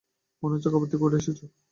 মনে হচ্ছে কবর থেকে উঠে এসেছো।